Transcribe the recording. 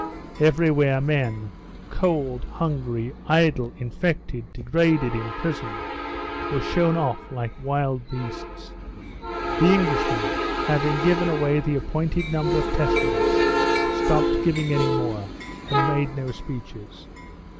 Everywhere men, cold, hungry, idle, infected, degraded, imprisoned, were shown off like wild beasts. The Englishman, having given away the appointed number of Testaments, stopped giving any more, and made no speeches.